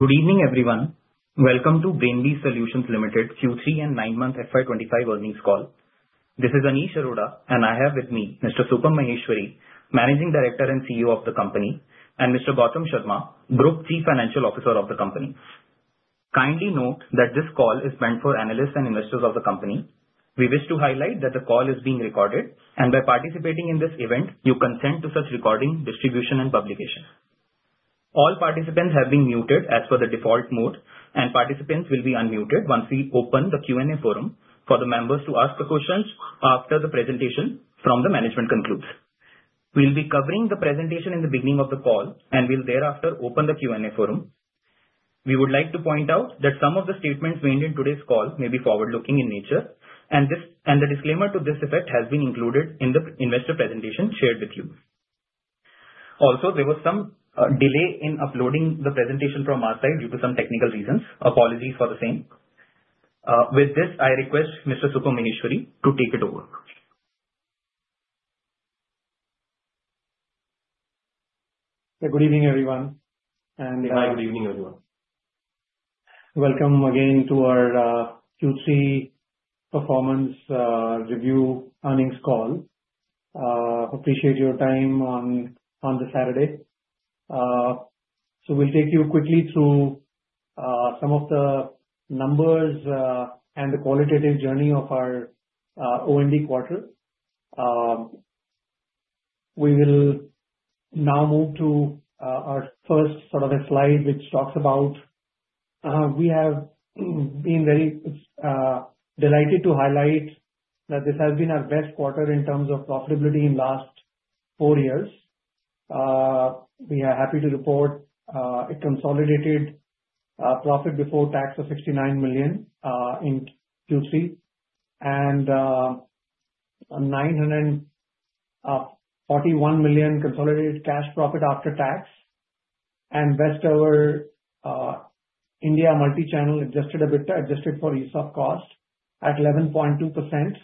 Good evening, everyone. Welcome to BrainBees Solutions Ltd Q3 and 9-month FY2025 earnings call. This is Anish Arora, and I have with me Mr. Supam Maheshwari, Managing Director and CEO of the company, and Mr. Gautam Sharma, Group Chief Financial Officer of the company. Kindly note that this call is meant for analysts and investors of the company. We wish to highlight that the call is being recorded, and by participating in this event, you consent to such recording, distribution, and publication. All participants have been muted as per the default mode, and participants will be unmuted once we open the Q&A forum for the members to ask questions after the presentation from the management concludes. We'll be covering the presentation in the beginning of the call, and we'll thereafter open the Q&A forum. We would like to point out that some of the statements made in today's call may be forward-looking in nature, and the disclaimer to this effect has been included in the investor presentation shared with you. Also, there was some delay in uploading the presentation from our side due to some technical reasons. Apologies for the same. With this, I request Mr. Supam Maheshwari to take it over. Good evening, everyone. Hi, good evening, everyone. Welcome again to our Q3 performance review earnings call. Appreciate your time on this Saturday. So we'll take you quickly through some of the numbers and the qualitative journey of our OND quarter. We will now move to our first sort of a slide, which talks about we have been very delighted to highlight that this has been our best quarter in terms of profitability in the last four years. We are happy to report a consolidated profit before tax of 69 million in Q3 and 941 million consolidated cash profit after tax. And best-ever India Multichannel adjusted EBITDA adjusted for ESOP cost at 11.2%,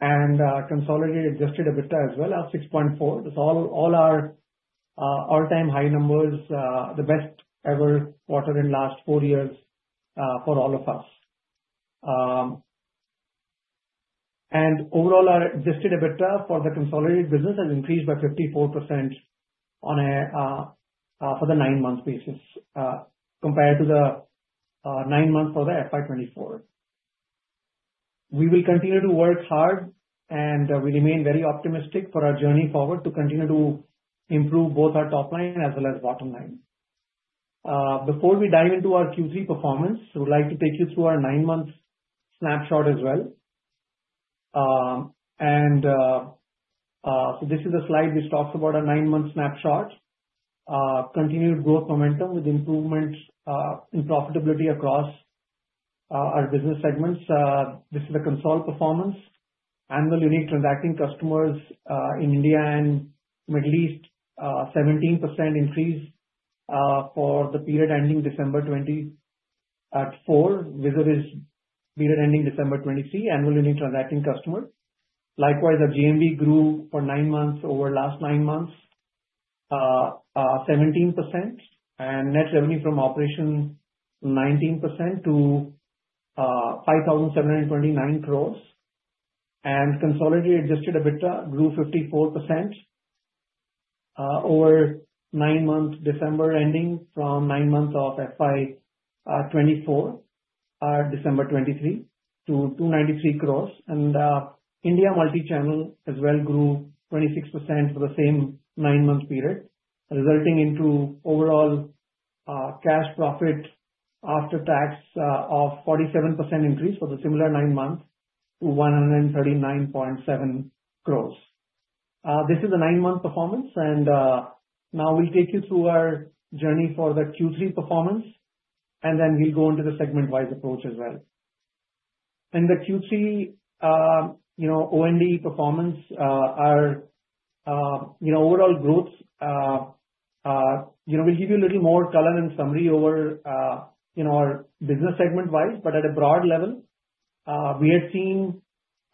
and consolidated adjusted EBITDA as well as 6.4%. So all are all-time high numbers, the best-ever quarter in the last four years for all of us. Overall, our adjusted EBITDA for the consolidated business has increased by 54% on a for the nine-month basis compared to the nine months for the FY2024. We will continue to work hard, and we remain very optimistic for our journey forward to continue to improve both our top line as well as bottom line. Before we dive into our Q3 performance, we'd like to take you through our nine-month snapshot as well. So this is a slide which talks about our nine-month snapshot. Continued growth momentum with improvement in profitability across our business segments. This is a consolidated performance. Annual unique transacting customers in India and Middle East, 17% increase for the period ending December 2024, vis-à-vis period ending December 2023, annual unique transacting customers. Likewise, our GMV grew for nine months over last nine months, 17%, and net revenue from operations 19% to 5,729 crores. Consolidated adjusted EBITDA grew 54% over nine-month December ending from nine months of FY2024, December 2023, to 293 crores. India Multichannel as well grew 26% for the same nine-month period, resulting in overall cash profit after tax of 47% increase for the similar nine months to 139.7 crores. This is the nine-month performance. Now we'll take you through our journey for the Q3 performance, and then we'll go into the segment-wise approach as well. In the Q3 OND performance, our overall growth we'll give you a little more color and summary over our business segment-wise, but at a broad level, we had seen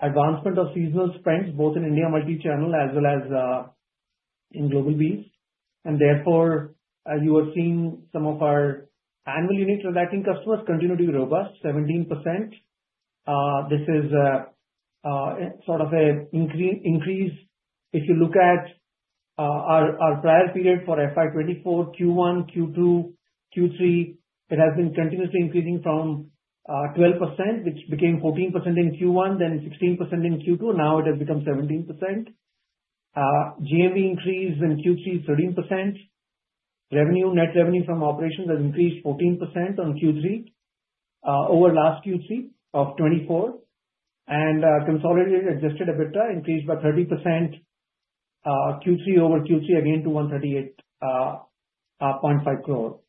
advancement of seasonal spends, both in India Multichannel as well as in GlobalBees. Therefore, you are seeing some of our annual unique transacting customers continue to be robust, 17%. This is sort of an increase if you look at our prior period for FY2024, Q1, Q2, Q3. It has been continuously increasing from 12%, which became 14% in Q1, then 16% in Q2. Now it has become 17%. GMV increase in Q3, 13%. Revenue, net revenue from operations has increased 14% on Q3 over last Q3 of 24. And consolidated adjusted EBITDA increased by 30% Q3 over Q3 again to 138.5 crore.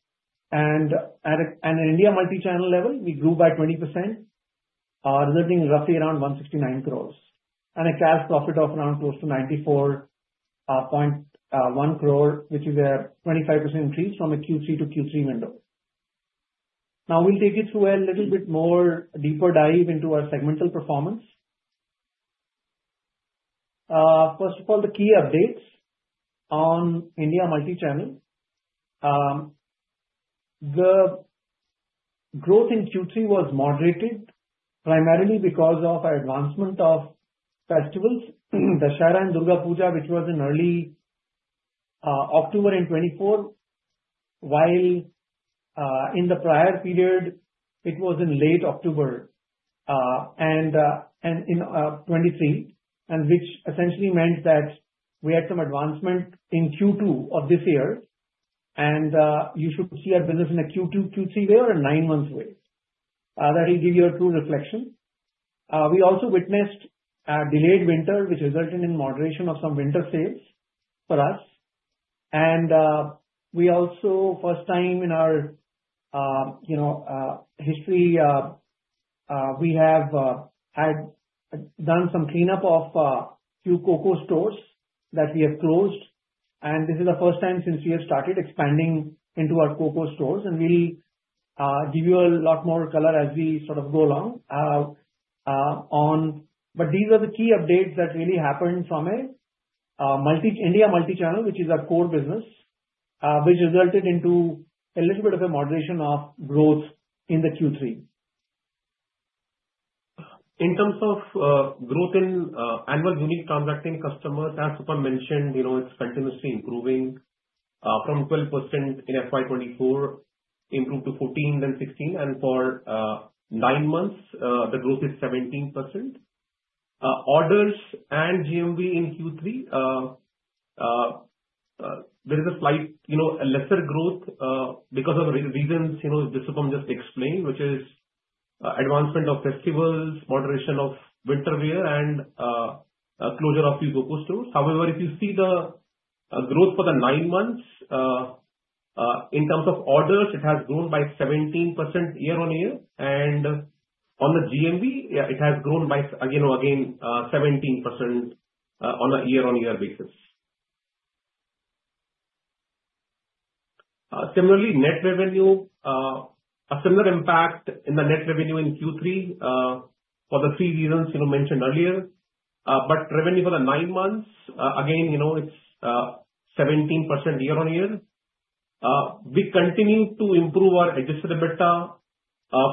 And at an India Multichannel level, we grew by 20%, resulting roughly around 169 crores, and a cash profit of around close to 94.1 crore, which is a 25% increase from a Q3 to Q3 window. Now we'll take you through a little bit more deeper dive into our segmental performance. First of all, the key updates on India Multichannel. The growth in Q3 was moderated primarily because of our advancement of festivals, the Sharadiya Durga Puja, which was in early October in 2024, while in the prior period, it was in late October and in 2023, which essentially meant that we had some advancement in Q2 of this year. And you should see our business in a Q2, Q3 way or a nine-month way. That will give you a true reflection. We also witnessed a delayed winter, which resulted in moderation of some winter sales for us. And we also, first time in our history, we have done some cleanup of a few COCO stores that we have closed. And this is the first time since we have started expanding into our COCO stores. And we'll give you a lot more color as we sort of go along. But these are the key updates that really happened from an India Multichannel, which is our core business, which resulted in a little bit of a moderation of growth in the Q3. In terms of growth in annual unique transacting customers, as Supam mentioned, it's continuously improving from 12% in FY2024, improved to 14% then 15%, and for nine months, the growth is 17%. Orders and GMV in Q3, there is a slight lesser growth because of reasons Mr. Supam just explained, which is advancement of festivals, moderation of winter wear, and closure of few COCO stores. However, if you see the growth for the nine months, in terms of orders, it has grown by 17% year-on-year, and on the GMV, it has grown again 17% on a year-on-year basis. Similarly, net revenue, a similar impact in the net revenue in Q3 for the three reasons mentioned earlier, but revenue for the nine months, again, it's 17% year-on-year. We continue to improve our adjusted EBITDA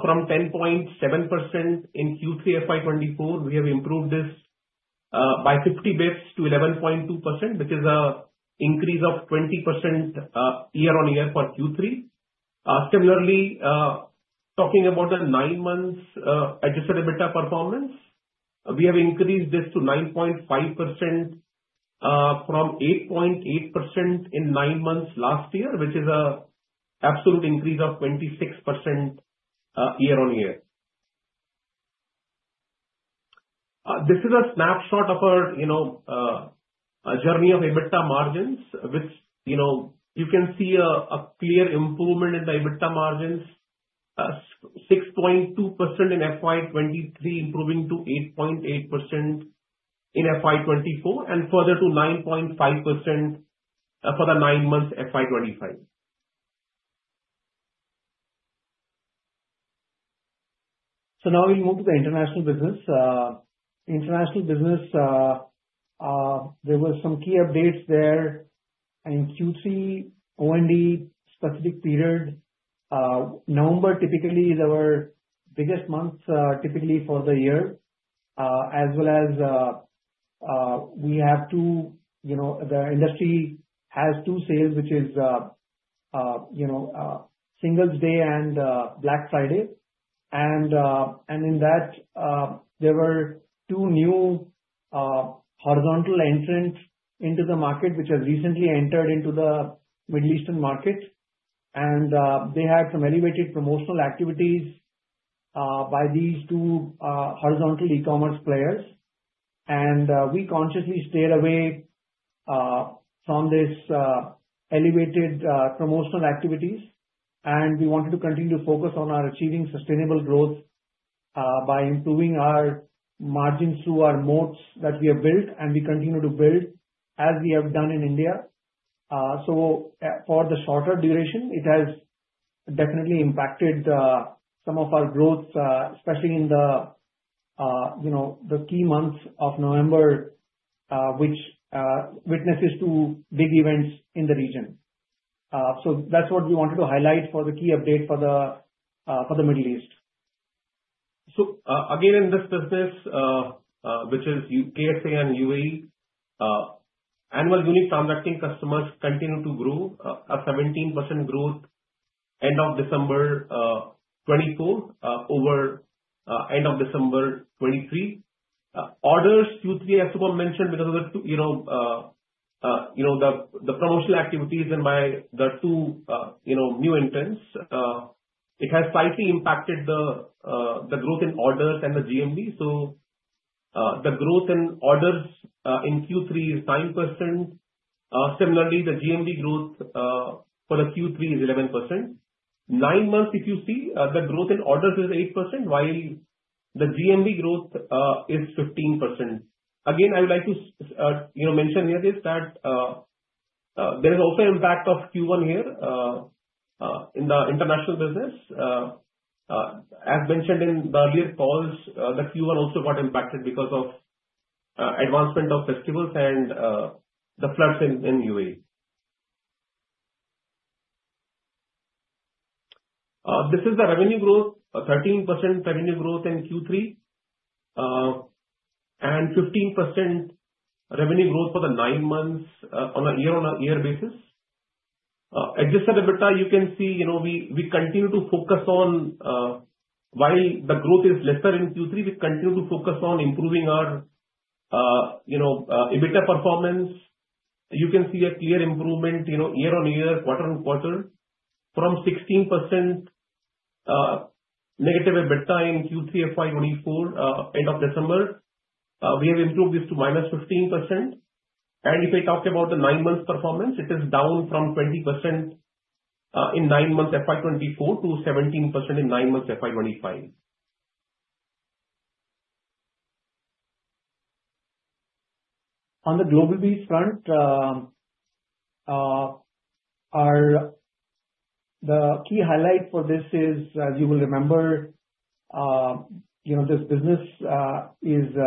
from 10.7% in Q3 FY2024. We have improved this by 50 basis points to 11.2%, which is an increase of 20% year-on-year for Q3. Similarly, talking about the nine-month adjusted EBITDA performance, we have increased this to 9.5% from 8.8% in nine months last year, which is an absolute increase of 26% year-on-year. This is a snapshot of our journey of EBITDA margins, which you can see a clear improvement in the EBITDA margins, 6.2% in FY2023 improving to 8.8% in FY2024, and further to 9.5% for the nine-month FY2025. So now we'll move to the international business. International business, there were some key updates there in Q3 OND specific period. November typically is our biggest month for the year, as well as the industry has two sales, which is Singles Day and Black Friday. And in that, there were two new horizontal entrants into the market, which have recently entered into the Middle Eastern market. And they had some elevated promotional activities by these two horizontal e-commerce players. And we consciously steered away from these elevated promotional activities. And we wanted to continue to focus on our achieving sustainable growth by improving our margins through our moats that we have built and we continue to build as we have done in India. So for the shorter duration, it has definitely impacted some of our growth, especially in the key months of November, which witnesses two big events in the region. So that's what we wanted to highlight for the key update for the Middle East. So again, in this business, which is KSA and UAE, annual unique transacting customers continue to grow, a 17% growth end of December 2024 over end of December 2023. Orders Q3, as Supam mentioned, because of the promotional activities and by the two new entrants, it has slightly impacted the growth in orders and the GMV. So the growth in orders in Q3 is 9%. Similarly, the GMV growth for the Q3 is 11%. Nine months, if you see, the growth in orders is 8%, while the GMV growth is 15%. Again, I would like to mention here this that there is also an impact of Q1 here in the international business. As mentioned in the earlier calls, the Q1 also got impacted because of advancement of festivals and the floods in UAE. This is the revenue growth, 13% revenue growth in Q3, and 15% revenue growth for the nine months on a year-on-year basis. Adjusted EBITDA, you can see we continue to focus on while the growth is lesser in Q3, we continue to focus on improving our EBITDA performance. You can see a clear improvement year-on-year, quarter-on-quarter from 16% negative EBITDA in Q3 FY2024 end of December. We have improved this to minus 15%. And if we talk about the nine-month performance, it is down from 20% in nine months FY2024 to 17% in nine months FY2025. On the GlobalBees front, the key highlight for this is, as you will remember, this business is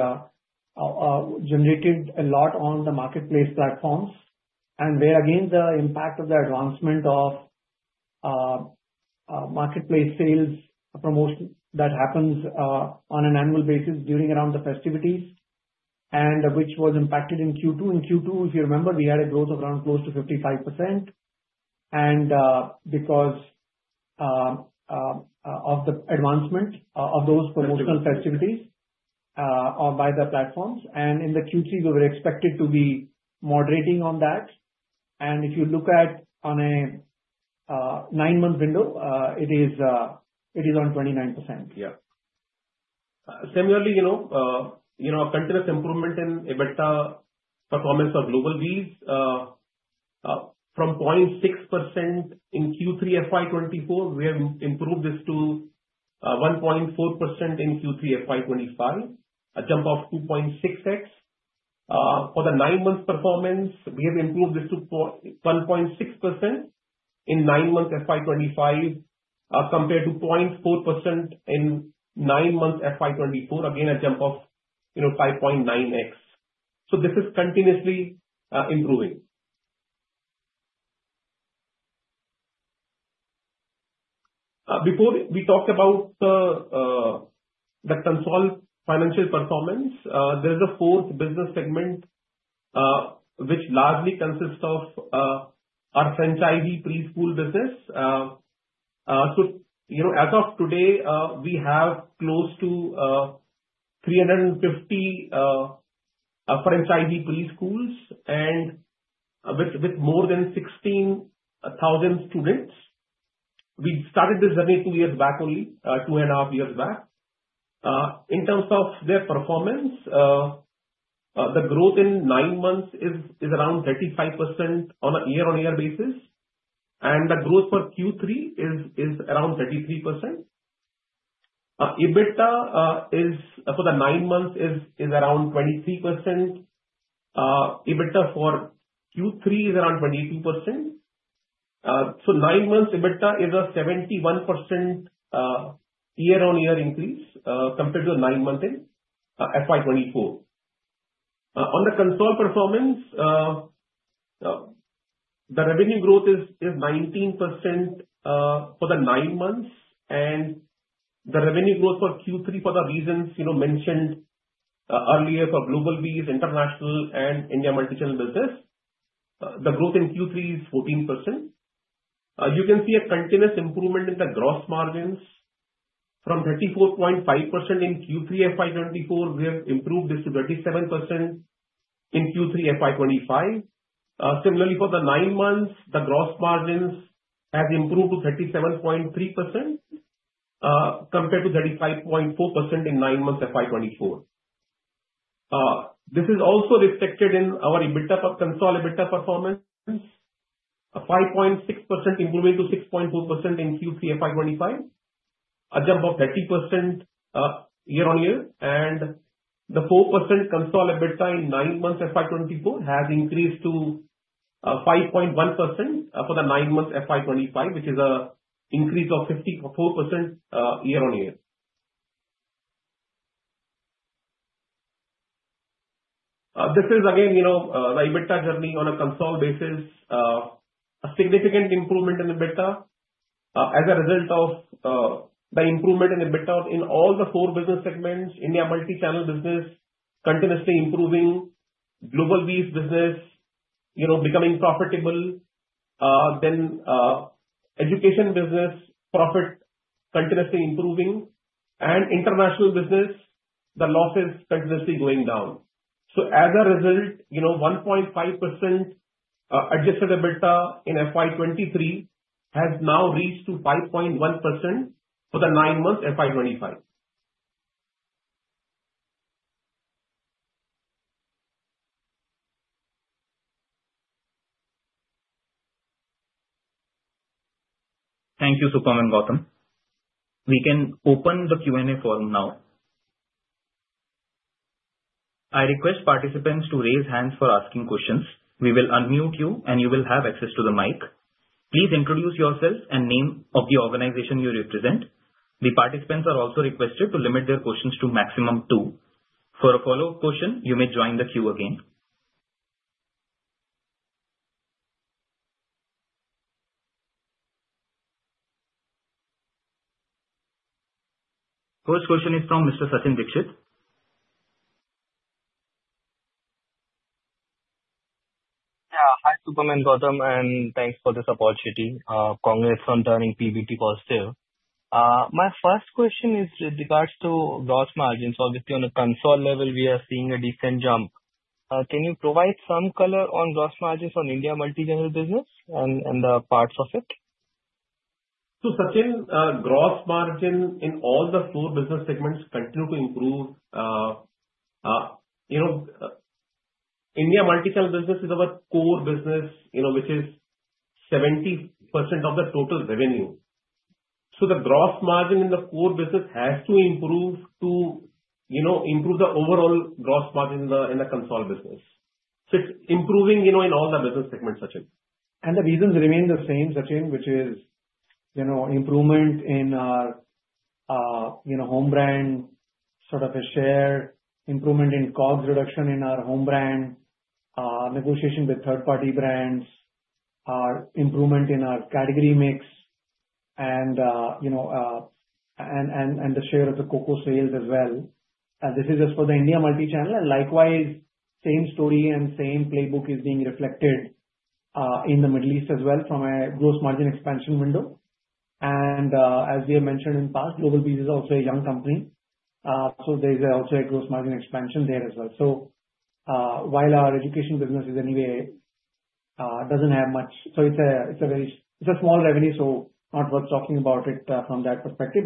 generated a lot on the marketplace platforms. There, again, the impact of the advancement of marketplace sales promotion that happens on an annual basis during around the festivities, and which was impacted in Q2. In Q2, if you remember, we had a growth of around close to 55% because of the advancement of those promotional festivities by the platforms. In the Q3, we were expected to be moderating on that. If you look at on a nine-month window, it is on 29%. Yeah. Similarly, a continuous improvement in EBITDA performance for GlobalBees. From 0.6% in Q3 FY2024, we have improved this to 1.4% in Q3 FY2025, a jump of 2.6x. For the nine-month performance, we have improved this to 1.6% in nine-month FY2025 compared to 0.4% in nine-month FY2024, again, a jump of 5.9x. So this is continuously improving. Before we talked about the consolidated financial performance, there is a fourth business segment which largely consists of our franchisee preschool business. So as of today, we have close to 350 franchisee preschools with more than 16,000 students. We started this journey two years back only, two and a half years back. In terms of their performance, the growth in nine months is around 35% on a year-on-year basis. And the growth for Q3 is around 33%. EBITDA for the nine months is around 23%. EBITDA for Q3 is around 22%. Nine months EBITDA is a 71% year-on-year increase compared to the nine-month FY2022. On the consolidated performance, the revenue growth is 19% for the nine months. The revenue growth for Q3, for the reasons mentioned earlier for GlobalBees, international, and India Multichannel business, is 14%. You can see a continuous improvement in the gross margins. From 34.5% in Q3 FY2024, we have improved this to 37% in Q3 FY2025. Similarly, for the nine months, the gross margins have improved to 37.3% compared to 35.4% in nine months FY2024. This is also reflected in our EBITDA for consolidated EBITDA performance, a 5.6% improvement to 6.4% in Q3 FY2025, a jump of 30% year-on-year. The 4% consolidated EBITDA in nine months FY2024 has increased to 5.1% for the nine-month FY2025, which is an increase of 54% year-on-year. This is, again, the EBITDA journey on a consolidated basis, a significant improvement in EBITDA as a result of the improvement in EBITDA in all the four business segments, India Multichannel business continuously improving, GlobalBees business becoming profitable, then education business profit continuously improving, and international business, the loss is continuously going down, so as a result, 1.5% adjusted EBITDA in FY2023 has now reached to 5.1% for the nine-month FY2025. Thank you, Supam and Gautam. We can open the Q&A forum now. I request participants to raise hands for asking questions. We will unmute you, and you will have access to the mic. Please introduce yourself and name of the organization you represent. The participants are also requested to limit their questions to maximum two. For a follow-up question, you may join the queue again. First question is from Mr. Sachin Dixit. Yeah, hi, Supam and Gautam, and thanks for this opportunity. Congrats on turning PBT positive. My first question is with regards to gross margins. Obviously, on the consolidated level, we are seeing a decent jump. Can you provide some color on gross margins on India Multichannel business and the parts of it? Sachin, gross margin in all the four business segments continue to improve. India Multichannel business is our core business, which is 70% of the total revenue. The gross margin in the core business has to improve to improve the overall gross margin in the consult business. It's improving in all the business segments, Sachin. The reasons remain the same, Sachin, which is improvement in our home brand sort of a share, improvement in COGS reduction in our home brand, negotiation with third-party brands, improvement in our category mix, and the share of the COCO sales as well. This is just for the India Multichannel. Likewise, same story and same playbook is being reflected in the Middle East as well from a gross margin expansion window. As we have mentioned in the past, GlobalBees is also a young company. There's also a gross margin expansion there as well. While our education business is anyway doesn't have much, so it's a small revenue, so not worth talking about it from that perspective.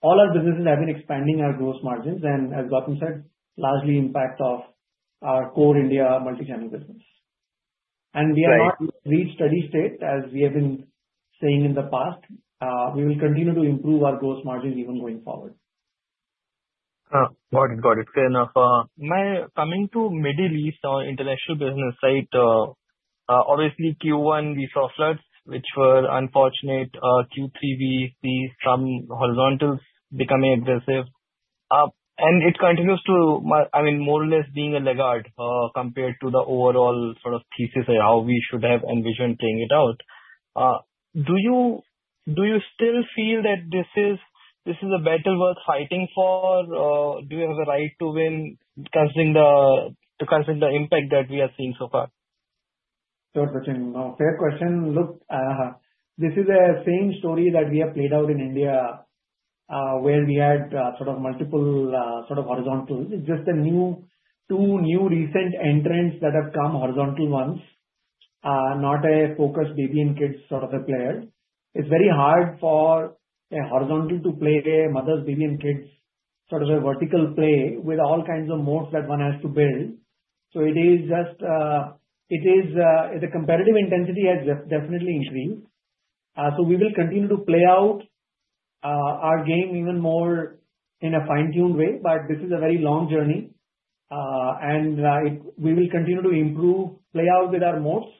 All our businesses have been expanding our gross margins, and as Gautam said, largely impact of our core India Multichannel business. We are not in a great steady state, as we have been saying in the past. We will continue to improve our gross margins even going forward. Got it. Got it. Fair enough. Coming to Middle East, our international business, right, obviously Q1, we saw floods, which were unfortunate. Q3, we see some horizontals becoming aggressive, and it continues to, I mean, more or less being a laggard compared to the overall sort of thesis of how we should have envisioned playing it out. Do you still feel that this is a battle worth fighting for? Do you have a right to win considering the impact that we have seen so far? Sure, Sachin. Fair question. Look, this is the same story that we have played out in India, where we had sort of multiple sort of horizontals. Just the two new recent entrants that have come horizontal once, not a focused baby and kids sort of a player. It's very hard for a horizontal to play a mother's baby and kids sort of a vertical play with all kinds of moats that one has to build. So it is just the competitive intensity has definitely increased. We will continue to play out our game even more in a fine-tuned way. This is a very long journey. We will continue to improve, play out with our moats,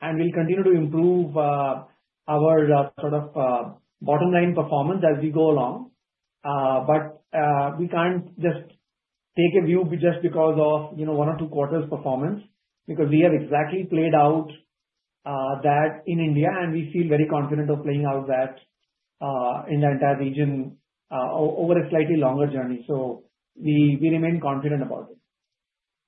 and we'll continue to improve our sort of bottom-line performance as we go along. But we can't just take a view just because of one or two quarters' performance because we have exactly played out that in India, and we feel very confident of playing out that in the entire region over a slightly longer journey, so we remain confident about it.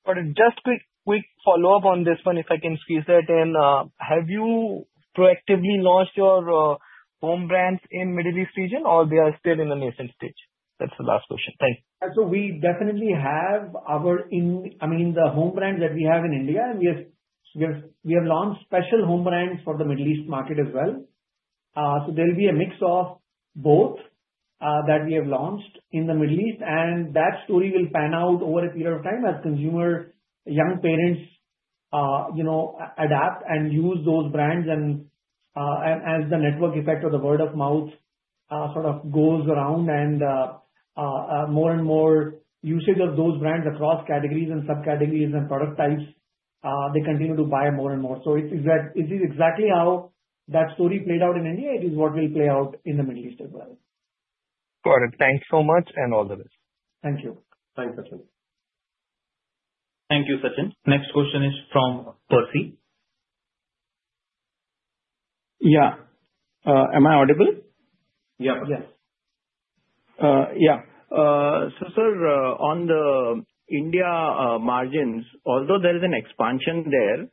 Got it. Just quick follow-up on this one, if I can squeeze that in. Have you proactively launched your home brands in the Middle East region, or they are still in the nascent stage? That's the last question. Thanks. So we definitely have our, I mean, the home brands that we have in India, and we have launched special home brands for the Middle East market as well. So there'll be a mix of both that we have launched in the Middle East. And that story will pan out over a period of time as consumers, young parents adapt and use those brands. And as the network effect of the word of mouth sort of goes around and more and more usage of those brands across categories and subcategories and product types, they continue to buy more and more. So it is exactly how that story played out in India. It is what will play out in the Middle East as well. Got it. Thanks so much and all the best. Thank you. Thanks, Sachin. Thank you, Sachin. Next question is from Percy. Yeah. Am I audible? Yeah, Percy. Yes. Yeah, so sir, on the India margins, although there is an expansion there,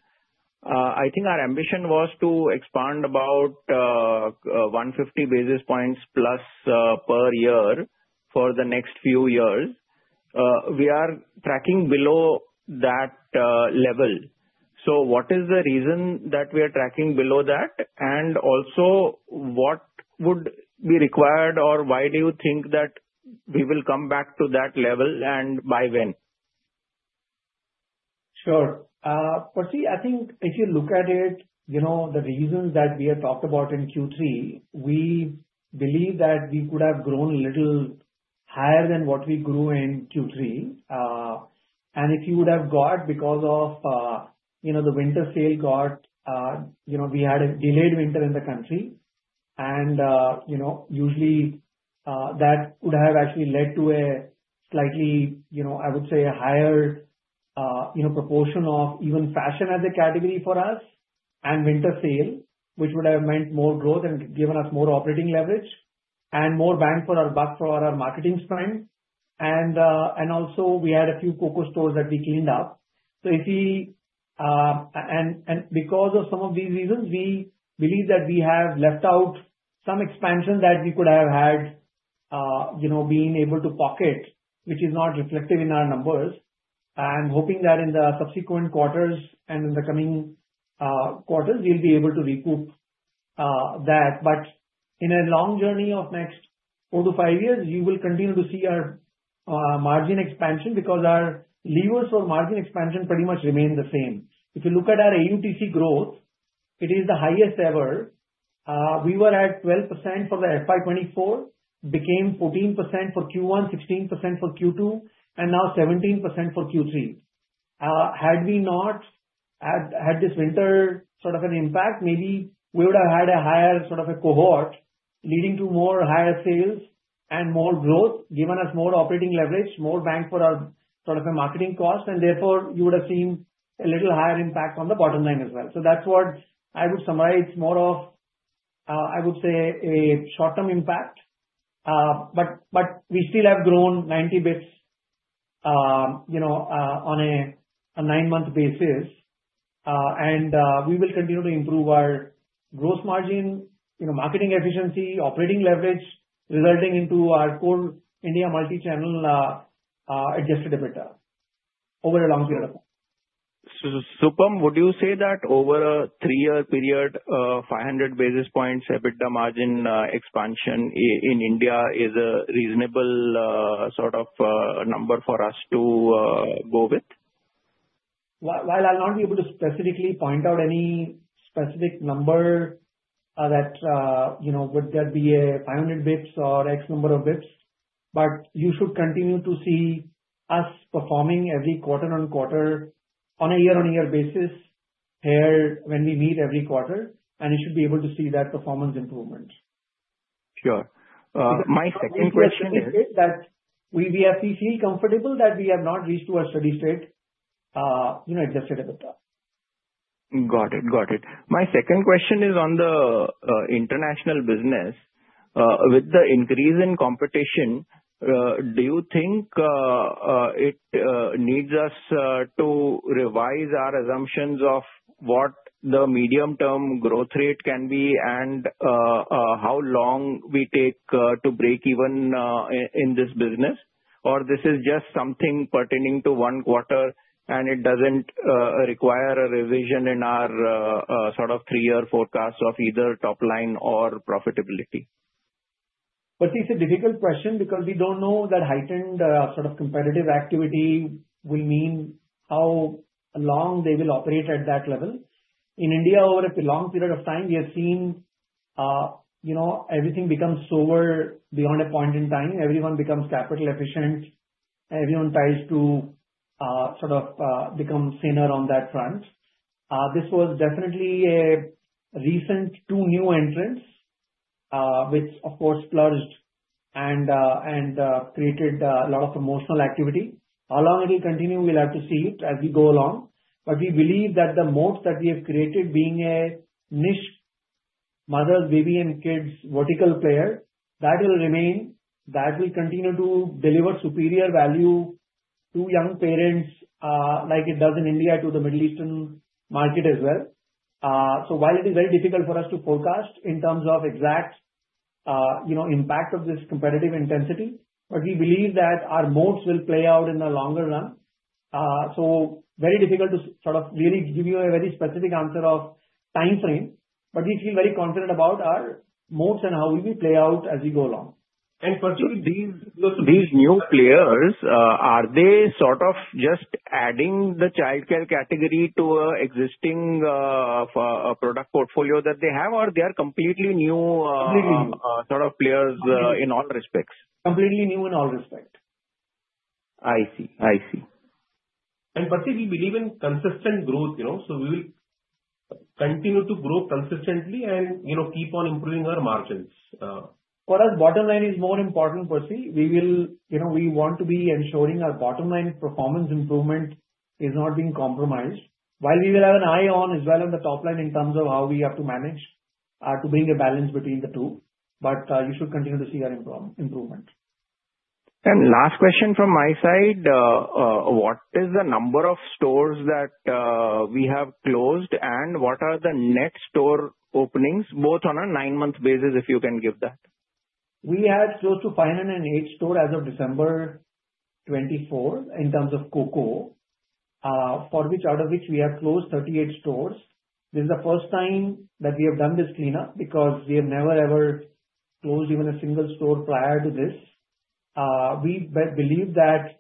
I think our ambition was to expand about 150 basis points plus per year for the next few years. We are tracking below that level, so what is the reason that we are tracking below that? And also, what would be required, or why do you think that we will come back to that level, and by when? Sure. Percy, I think if you look at it, the reasons that we have talked about in Q3, we believe that we could have grown a little higher than what we grew in Q3. And if you would have got because of the winter sale, we had a delayed winter in the country. And usually, that would have actually led to a slightly, I would say, a higher proportion of even fashion as a category for us and winter sale, which would have meant more growth and given us more operating leverage and more bang for our buck for our marketing spend. And also, we had a few COCO stores that we cleaned up. So you see, and because of some of these reasons, we believe that we have left out some expansion that we could have had being able to pocket, which is not reflective in our numbers. I'm hoping that in the subsequent quarters and in the coming quarters, we'll be able to recoup that, but in a long journey of next four to five years, you will continue to see our margin expansion because our levers for margin expansion pretty much remain the same. If you look at our AUTC growth, it is the highest ever. We were at 12% for the FY2024, became 14% for Q1, 16% for Q2, and now 17% for Q3. Had we not had this winter sort of an impact, maybe we would have had a higher sort of a cohort leading to more higher sales and more growth, given us more operating leverage, more bang for our sort of a marketing cost, and therefore, you would have seen a little higher impact on the bottom line as well. So that's what I would summarize more of, I would say, a short-term impact. But we still have grown 90 [basis] on a nine-month basis. And we will continue to improve our gross margin, marketing efficiency, operating leverage, resulting into our core India Multichannel adjusted EBITDA over a long period of time. So Supam, would you say that over a three-year period, 500 basis points EBITDA margin expansion in India is a reasonable sort of number for us to go with? While I'll not be able to specifically point out any specific number that would be a 500 basis points or some number of basis points, but you should continue to see us performing every quarter on quarter on a year-on-year basis here when we meet every quarter, and you should be able to see that performance improvement. Sure. My second question is. We have to feel comfortable that we have not reached a steady state adjusted EBITDA. Got it. Got it. My second question is on the international business. With the increase in competition, do you think it needs us to revise our assumptions of what the medium-term growth rate can be and how long we take to break even in this business, or this is just something pertaining to one quarter, and it doesn't require a revision in our sort of three-year forecast of either top line or profitability? Percy, it's a difficult question because we don't know that heightened sort of competitive activity will mean how long they will operate at that level. In India, over a long period of time, we have seen everything become sober beyond a point in time. Everyone becomes capital efficient. Everyone tries to sort of become thinner on that front. This was definitely a recent two new entrants, which, of course, splurged and created a lot of irrational activity. How long it will continue, we'll have to see it as we go along. But we believe that the moat that we have created, being a niche mother's baby and kids vertical player, that will remain, that will continue to deliver superior value to young parents like it does in India to the Middle Eastern market as well. So while it is very difficult for us to forecast in terms of exact impact of this competitive intensity, but we believe that our moats will play out in the longer run. So very difficult to sort of really give you a very specific answer of time frame. But we feel very confident about our moats and how we will play out as we go along. Percy, these new players, are they sort of just adding the childcare category to an existing product portfolio that they have, or they are completely new sort of players in all respects? Completely new in all respect. I see. I see. Precisely, we believe in consistent growth. We will continue to grow consistently and keep on improving our margins. For us, bottom line is more important, Percy. We want to be ensuring our bottom line performance improvement is not being compromised. While we will have an eye on as well on the top line in terms of how we have to manage to bring a balance between the two. But you should continue to see our improvement. Last question from my side. What is the number of stores that we have closed, and what are the net store openings, both on a nine-month basis, if you can give that? We had close to 508 stores as of December 24 in terms of COCO, out of which we have closed 38 stores. This is the first time that we have done this cleanup because we have never, ever closed even a single store prior to this. We believe that,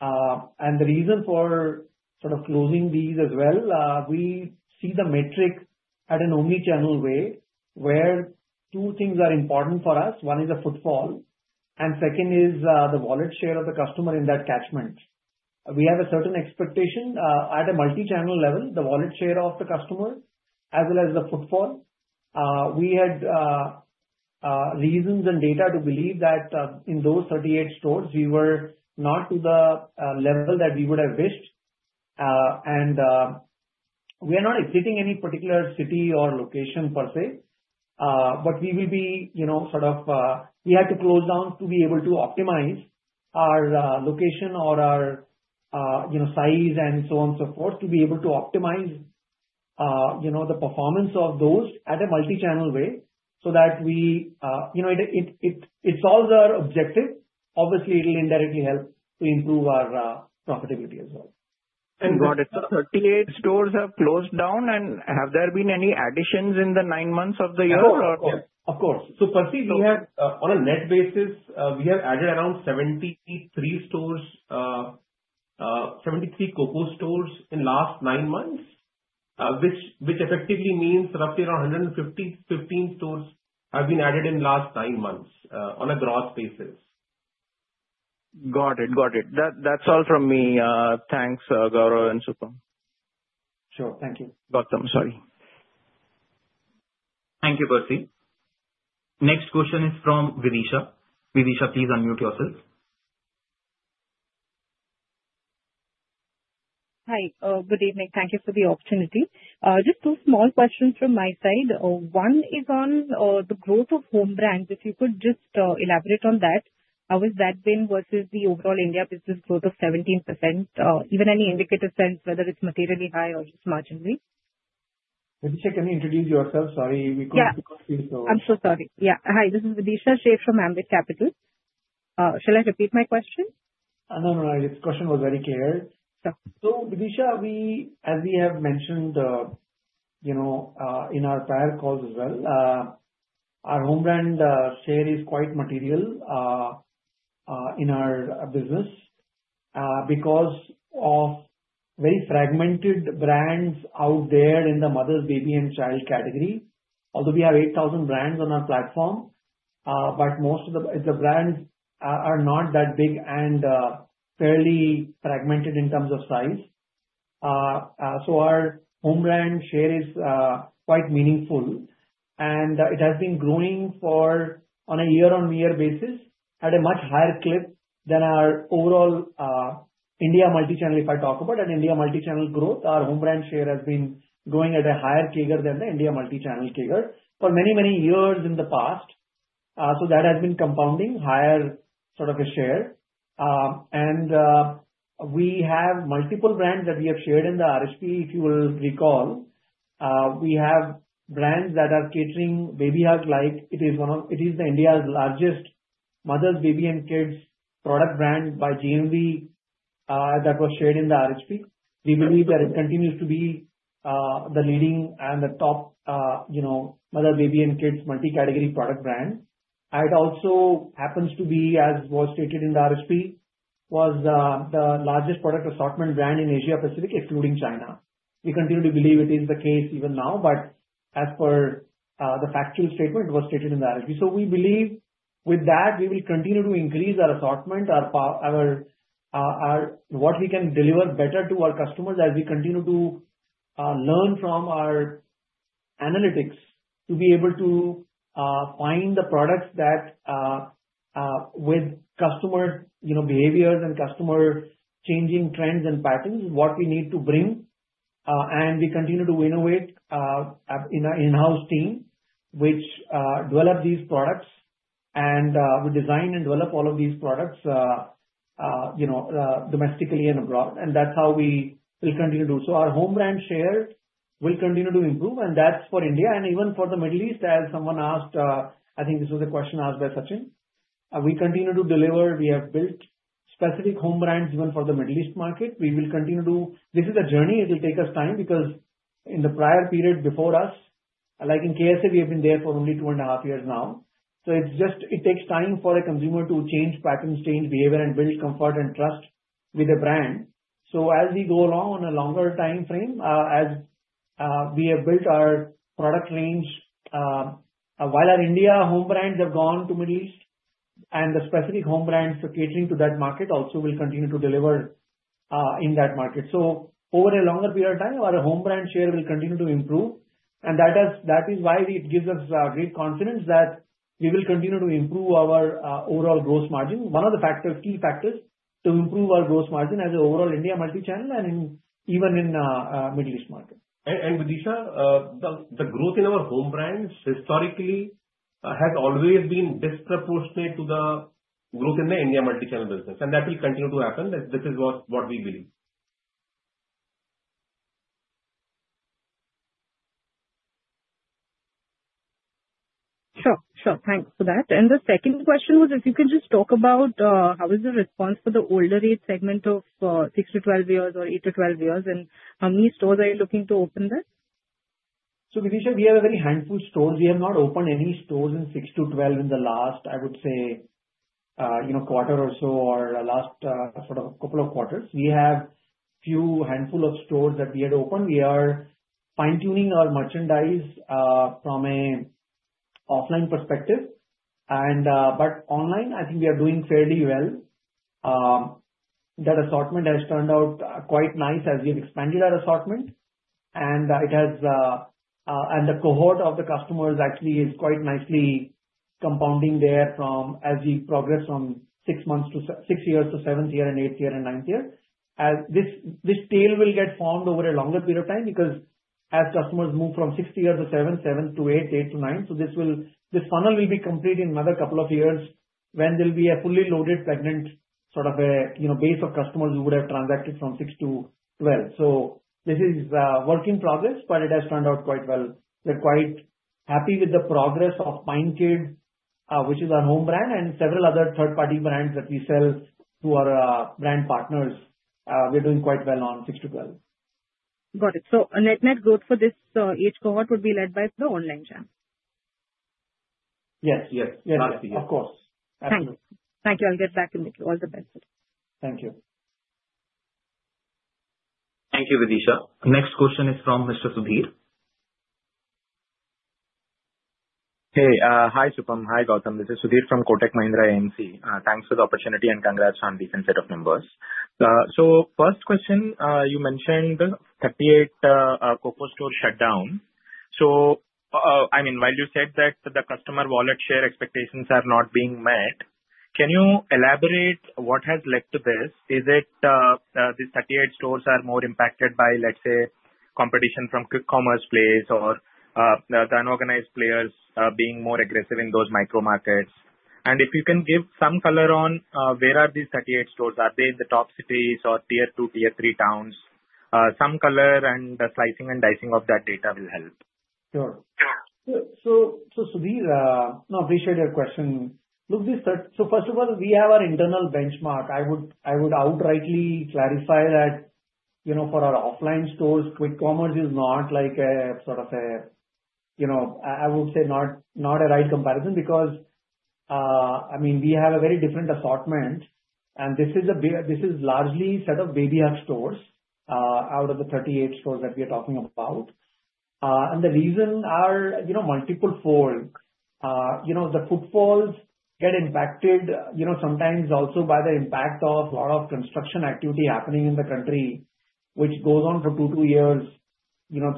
and the reason for sort of closing these as well, we see the metric at an omnichannel way where two things are important for us. One is the footfall, and second is the wallet share of the customer in that catchment. We have a certain expectation at a multichannel level, the wallet share of the customer as well as the footfall. We had reasons and data to believe that in those 38 stores, we were not to the level that we would have wished. And we are not exiting any particular city or location, Percy. But we will be sort of. We had to close down to be able to optimize our location or our size and so on and so forth to be able to optimize the performance of those at a multichannel way so that we it solves our objective. Obviously, it will indirectly help to improve our profitability as well. Got it. 38 stores have closed down. Have there been any additions in the nine months of the year? Of course. Of course. So Percy, we have, on a net basis, we have added around 73 COCO stores in the last nine months, which effectively means roughly around 115 stores have been added in the last nine months on a growth basis. Got it. Got it. That's all from me. Thanks, Gauram and Supam. Sure. Thank you. Gautam, sorry. Thank you, Percy. Next question is from Videesha. Videesha, please unmute yourself. Hi. Good evening. Thank you for the opportunity. Just two small questions from my side. One is on the growth of home brands. If you could just elaborate on that, how has that been versus the overall India business growth of 17%? Even any indicator sense, whether it's materially high or just marginally? Videesha, can you introduce yourself? Sorry, we couldn't hear you, so. Yeah. I'm so sorry. Yeah. Hi. This is Videesha Sheth from Ambit Capital. Shall I repeat my question? No, no, no. This question was very clear. So Videesha, as we have mentioned in our prior calls as well, our home brand share is quite material in our business because of very fragmented brands out there in the mother's baby and child category. Although we have 8,000 brands on our platform, but most of the brands are not that big and fairly fragmented in terms of size. So our home brand share is quite meaningful. And it has been growing on a year-on-year basis at a much higher clip than our offline India Multichannel, if I talk about an India Multichannel growth. Our home brand share has been growing at a higher CAGR than the India Multichannel CAGR for many, many years in the past. So that has been compounding higher sort of a share. We have multiple brands that we have shared in the RHP, if you will recall. We have brands that are catering Babyhug. It is India's largest maternity, baby and kids product brand by GMV that was shared in the RHP. We believe that it continues to be the leading and the top maternity, baby and kids multi-category product brand. It also happens to be, as was stated in the RHP, the largest product assortment brand in Asia-Pacific, excluding China. We continue to believe it is the case even now. As per the factual statement, it was stated in the RHP. So we believe with that, we will continue to increase our assortment, what we can deliver better to our customers as we continue to learn from our analytics to be able to find the products that, with customer behaviors and customer changing trends and patterns, what we need to bring. And we continue to innovate in our in-house team, which developed these products and designed and developed all of these products domestically and abroad. And that's how we will continue to do. So our home brand share will continue to improve. And that's for India and even for the Middle East. As someone asked, I think this was a question asked by Sachin, we continue to deliver. We have built specific home brands even for the Middle East market. We will continue to do. This is a journey. It will take us time because in the prior period before us, like in KSA, we have been there for only two and a half years now. So it takes time for a consumer to change patterns, change behavior, and build comfort and trust with a brand. So as we go along on a longer time frame, as we have built our product range, while our India home brands have gone to Middle East, and the specific home brands for catering to that market also will continue to deliver in that market. So over a longer period of time, our home brand share will continue to improve, and that is why it gives us great confidence that we will continue to improve our overall gross margin. One of the key factors to improve our gross margin as an overall India Multichannel and even in the Middle East market. Videesha, the growth in our home brands historically has always been disproportionate to the growth in the India Multichannel business. That will continue to happen. This is what we believe. Sure. Sure. Thanks for that. And the second question was, if you could just talk about how is the response for the older age segment of six to 12 years or eight to 12 years, and how many stores are you looking to open there? So Videesha, we have a very handful of stores. We have not opened any stores in 6-12 in the last, I would say, quarter or so or last sort of a couple of quarters. We have a few handful of stores that we had opened. We are fine-tuning our merchandise from an offline perspective. But online, I think we are doing fairly well. That assortment has turned out quite nice as we have expanded our assortment. And the cohort of the customers actually is quite nicely compounding there as we progress from six years to seventh year and eighth year and ninth year. This tail will get formed over a longer period of time because as customers move from sixth year to seventh, seventh to eighth, eighth to ninth, so this funnel will be complete in another couple of years when there'll be a fully loaded, pregnant sort of a base of customers who would have transacted from 6 to 12. So this is a work in progress, but it has turned out quite well. We're quite happy with the progress of Pine Kids, which is our home brand, and several other third-party brands that we sell to our brand partners. We're doing quite well on 6 to 12. Got it. So a net growth for this age cohort would be led by the online channel? Yes. Yes. Yes. Of course. Absolutely. Thank you. I'll get back in with you. All the best. Thank you. Thank you, Videesha. Next question is from Mr. Sudheer. Hey. Hi, Supam. Hi, Gautam. This is Sudheer from Kotak Mahindra AMC. Thanks for the opportunity and congrats on the set of numbers. So first question, you mentioned 38 COCO stores shut down. So I mean, while you said that the customer wallet share expectations are not being met, can you elaborate what has led to this? Is it these 38 stores are more impacted by, let's say, competition from quick commerce players or the unorganized players being more aggressive in those micro markets? And if you can give some color on where are these 38 stores? Are they in the top cities or tier two, tier three towns? Some color and slicing and dicing of that data will help. Sure. So Sudheer, no, I appreciate your question. So first of all, we have our internal benchmark. I would outrightly clarify that for our offline stores, quick commerce is not like a sort of a, I would say, not a right comparison because, I mean, we have a very different assortment. And this is largely a set of Babyhug stores out of the 38 stores that we are talking about. And the reason are multiple fold. The footfalls get impacted sometimes also by the impact of a lot of construction activity happening in the country, which goes on for two, two years,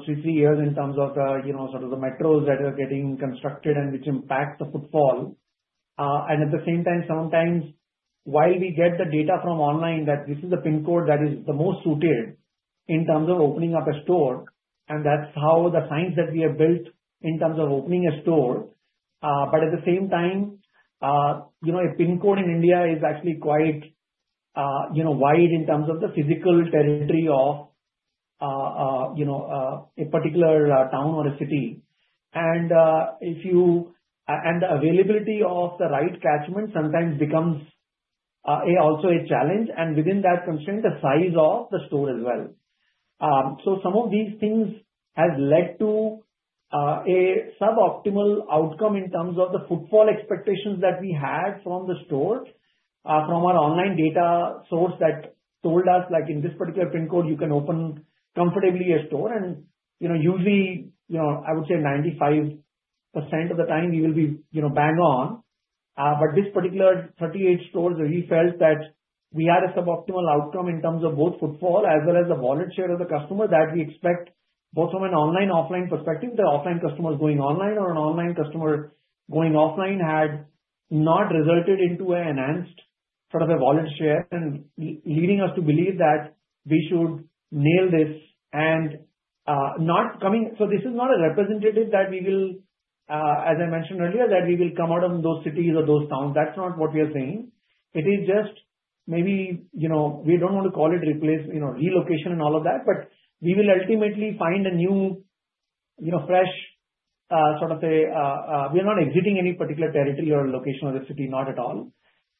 three, three years in terms of sort of the metros that are getting constructed and which impact the footfall. And at the same time, sometimes while we get the data from online that this is the pin code that is the most suited in terms of opening up a store, and that's how the science that we have built in terms of opening a store. But at the same time, a pin code in India is actually quite wide in terms of the physical territory of a particular town or a city. And the availability of the right catchment sometimes becomes also a challenge. And within that constraint, the size of the store as well. So some of these things have led to a suboptimal outcome in terms of the footfall expectations that we had from the store, from our online data source that told us, in this particular pin code, you can open comfortably a store. Usually, I would say 95% of the time, you will be bang on. But this particular 38 stores, we felt that we had a suboptimal outcome in terms of both footfall as well as the wallet share of the customer that we expect both from an online/offline perspective. The offline customers going online or an online customer going offline had not resulted into an enhanced sort of a wallet share, leading us to believe that we should nail this and not coming. So this is not a representative that we will, as I mentioned earlier, that we will come out of those cities or those towns. That's not what we are saying. It is just maybe we don't want to call it relocation and all of that, but we will ultimately find a new fresh sort of a we are not exiting any particular territory or location or the city, not at all,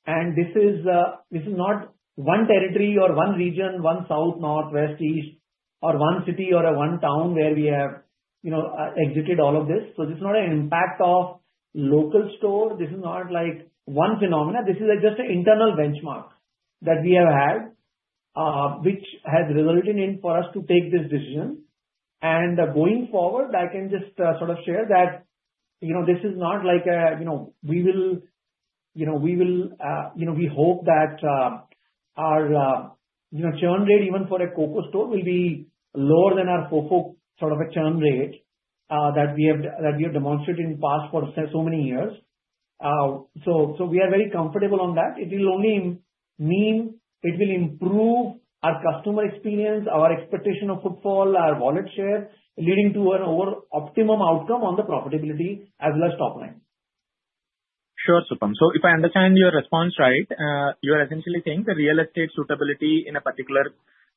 and this is not one territory or one region, one south, north, west, east, or one city or one town where we have exited all of this, so this is not an impact of local store. This is not like one phenomenon. This is just an internal benchmark that we have had, which has resulted in for us to take this decision. Going forward, I can just sort of share that this is not like we hope that our churn rate even for a COCO store will be lower than our COCO sort of a churn rate that we have demonstrated in the past for so many years. So we are very comfortable on that. It will only mean it will improve our customer experience, our expectation of footfall, our wallet share, leading to an optimum outcome on the profitability as well as top line. Sure, Supam. So if I understand your response right, you are essentially saying the real estate suitability in a particular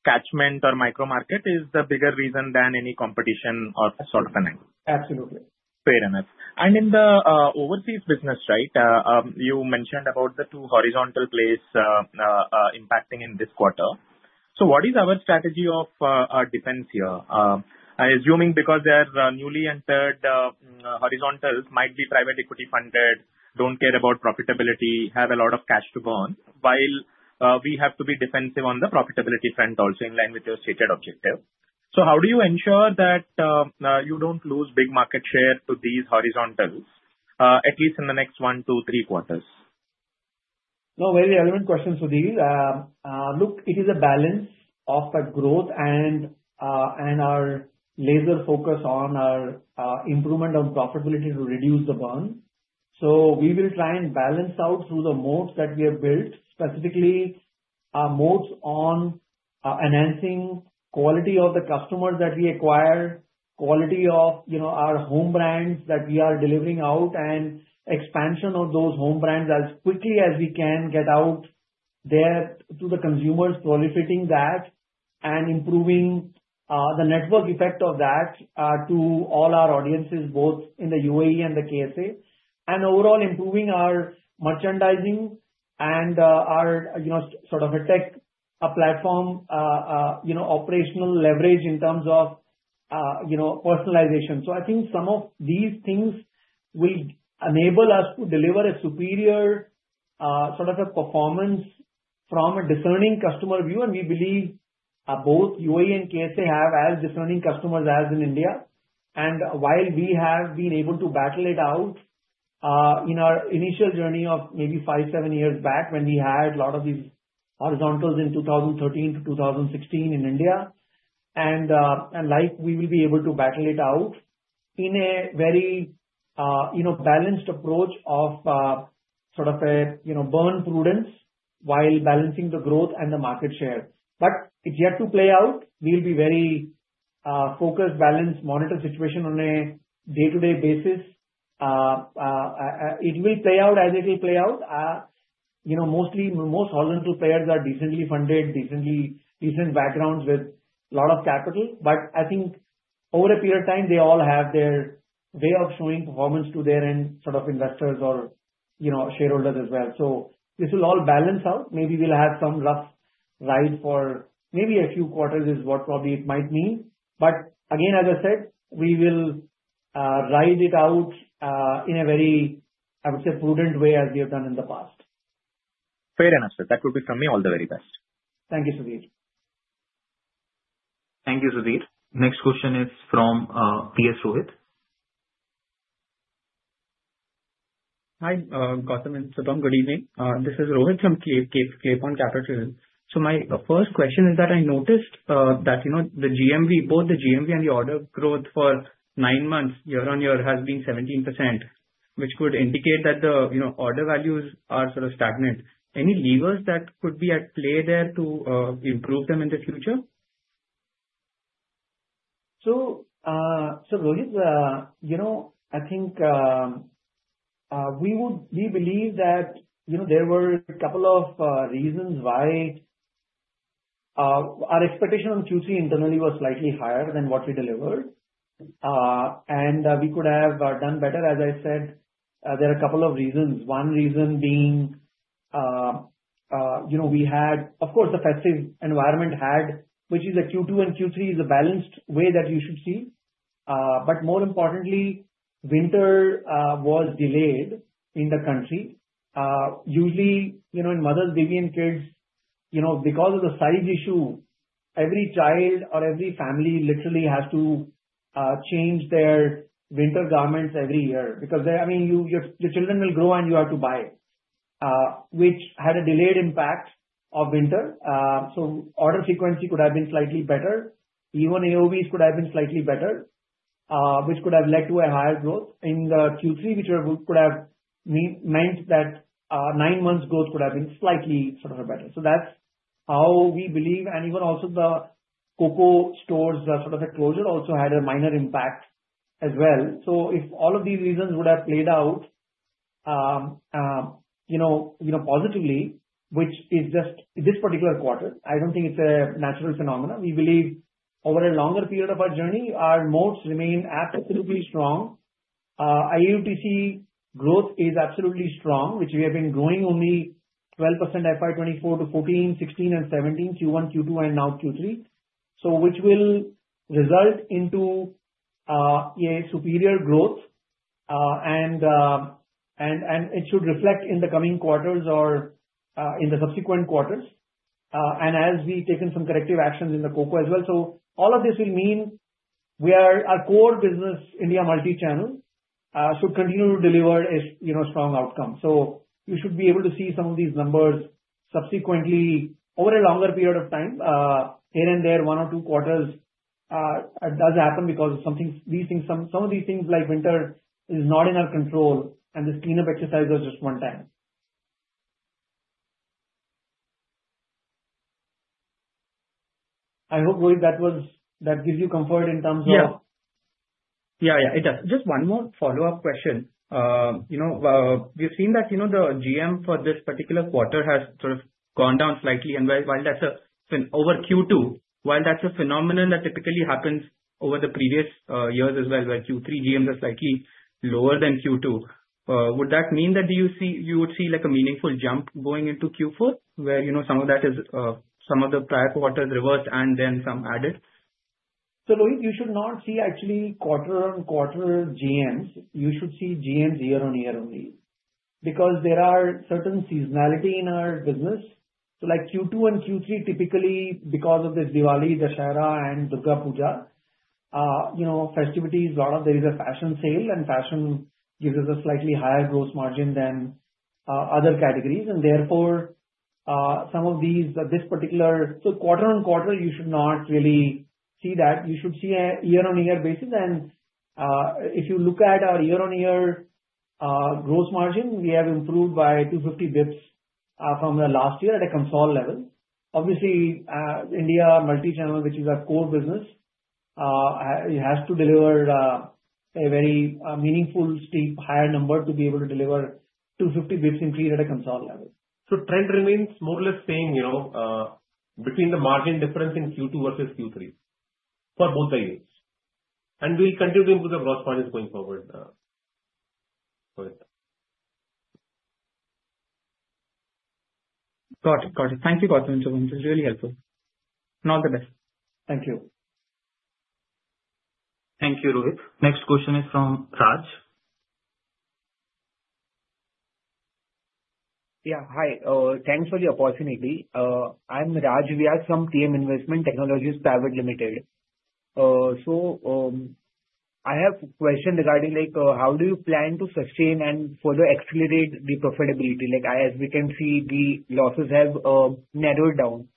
catchment or micro market is the bigger reason than any competition or sort of an. Absolutely. Fair enough. And in the overseas business, right, you mentioned about the two horizontal plays impacting in this quarter. So what is our strategy of defense here? I'm assuming because they are newly entered, horizontals might be private equity funded, don't care about profitability, have a lot of cash to burn, while we have to be defensive on the profitability front also in line with your stated objective. So how do you ensure that you don't lose big market share to these horizontals, at least in the next one, two, three quarters? No, very relevant question, Sudheer. Look, it is a balance of our growth and our laser focus on our improvement on profitability to reduce the burn. So we will try and balance out through the moats that we have built, specifically moats on enhancing quality of the customers that we acquire, quality of our home brands that we are delivering out, and expansion of those home brands as quickly as we can get out there to the consumers, proliferating that and improving the network effect of that to all our audiences, both in the UAE and the KSA, and overall improving our merchandising and our sort of a tech platform operational leverage in terms of personalization. So I think some of these things will enable us to deliver a superior sort of a performance from a discerning customer view. We believe both UAE and KSA have as discerning customers as in India. While we have been able to battle it out in our initial journey of maybe five, seven years back when we had a lot of these horizontals in 2013-2016 in India, and like, we will be able to battle it out in a very balanced approach of sort of a burn prudence while balancing the growth and the market share. It's yet to play out. We'll be very focused, balanced, monitor situation on a day-to-day basis. It will play out as it will play out. Most horizontal players are decently funded, decent backgrounds with a lot of capital. I think over a period of time, they all have their way of showing performance to their end sort of investors or shareholders as well. This will all balance out. Maybe we'll have some rough ride for maybe a few quarters is what probably it might mean. But again, as I said, we will ride it out in a very, I would say, prudent way as we have done in the past. Fair enough. That would be from me. All the very best. Thank you, Sudheer. Thank you, Sudheer. Next question is from P S Rohit. Hi, Gautam and Supam. Good evening. This is Rohit from Claypond Capital. So my first question is that I noticed that both the GMV and the order growth for nine months year-on-year has been 17%, which would indicate that the order values are sort of stagnant. Any levers that could be at play there to improve them in the future? So, Rohit, I think we believe that there were a couple of reasons why our expectation on Q3 internally was slightly higher than what we delivered. And we could have done better. As I said, there are a couple of reasons. One reason being we had, of course, the festive environment, which is a Q2 and Q3 is a balanced way that you should see. But more importantly, winter was delayed in the country. Usually, in maternity and kids, because of the size issue, every child or every family literally has to change their winter garments every year because, I mean, your children will grow and you have to buy, which had a delayed impact of winter. So order frequency could have been slightly better. Even AOVs could have been slightly better, which could have led to a higher growth in the Q3, which could have meant that nine months' growth could have been slightly sort of better, so that's how we believe, and even also the COCO stores sort of a closure also had a minor impact as well, so if all of these reasons would have played out positively, which is just this particular quarter, I don't think it's a natural phenomenon. We believe over a longer period of our journey, our moats remain absolutely strong. AUTC growth is absolutely strong, which we have been growing only 12% FY2024 to 2014, 2016, and 2017, Q1, Q2, and now Q3, which will result into a superior growth, and it should reflect in the coming quarters or in the subsequent quarters, and as we've taken some corrective actions in the COCO as well. So all of this will mean our core business, India Multichannel, should continue to deliver a strong outcome. So you should be able to see some of these numbers subsequently over a longer period of time. Here and there, one or two quarters does happen because of these things. Some of these things like winter is not in our control, and this cleanup exercise was just one time. I hope, Rohit, that gives you comfort in terms of. Yeah. Yeah, yeah. It does. Just one more follow-up question. We've seen that the GM for this particular quarter has sort of gone down slightly. And while that's a phenomenon that typically happens over the previous years as well, where Q3 GMs are slightly lower than Q2, would that mean that you would see a meaningful jump going into Q4, where some of that is some of the prior quarters reversed and then some added? So, Rohit, you should not see actually quarter-on-quarter GMs. You should see GMs year-on-year only because there are certain seasonality in our business. So, like Q2 and Q3, typically because of this Diwali, Dussehra, and Durga Puja, festivities, there is a fashion sale, and fashion gives us a slightly higher gross margin than other categories. And therefore, some of these this particular so quarter-on-quarter, you should not really see that. You should see a year-on-year basis. And if you look at our year-on-year gross margin, we have improved by 250 basis points from the last year at a consolidated level. Obviously, India Multichannel, which is our core business, has to deliver a very meaningful, steep, higher number to be able to deliver 250 basis points increase at a consolidated level. So trend remains more or less same between the margin difference in Q2 versus Q3 for both the years. And we'll continue to improve the gross margins going forward. Got it. Got it. Thank you, Gautam and Supam. This is really helpful. And all the best. Thank you. Thank you, Rohit. Next question is from Raj. Yeah. Hi. Thanks for the opportunity. I'm Raj. We are from TM Investment Technologies Pvt Ltd. So I have a question regarding how do you plan to sustain and further accelerate the profitability? As we can see, the losses have narrowed down.